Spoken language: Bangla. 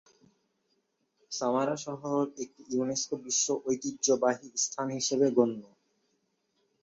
সামারা শহর একটি ইউনেস্কো বিশ্ব ঐতিহ্যবাহী স্থান হিসেবে গণ্য।